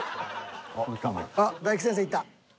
あっ大吉先生いった。